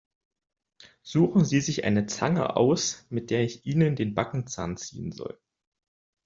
Suchen Sie sich eine Zange aus, mit der ich Ihnen den Backenzahn ziehen soll!